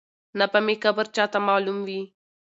نه به مي قبر چاته معلوم وي